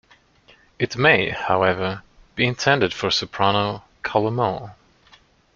It may, however, be intended for soprano chalumeau.